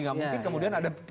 tidak mungkin kemudian ada